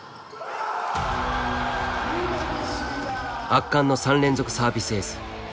圧巻の３連続サービスエース。